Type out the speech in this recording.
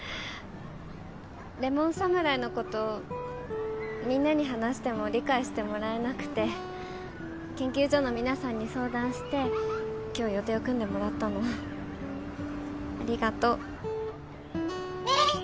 レモン侍のことみんなに話しても理解してもらえなくて研究所の皆さんに相談して今日予定を組んでもらったのありがとう。